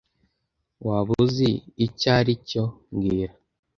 Waba uzi icyo aricyo mbwira